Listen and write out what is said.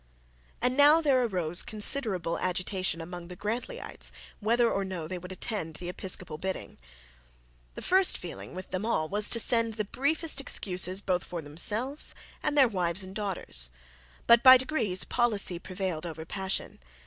And now there arose considerable agitation among the Grantleyites whether or not they would attend the bidding. The first feeling with them all was to send the briefest excuses both for themselves and their wives and daughters. But by degrees policy prevailed over passion.